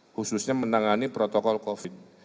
khususnya menangani protokol covid